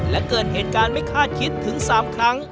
และเกิดเหตุการณ์ไม่คาดคิดถึง๓ครั้ง